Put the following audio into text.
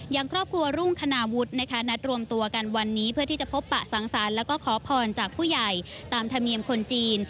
อย่างครอบครัวรุ่งคณาวุฒินะคะนัดรวมตัวกันวันนี้เพื่อที่จะพบปะสังสรรค์แล้วก็ขอพรจากผู้ใหญ่ตามธรรมเนียมคนจีน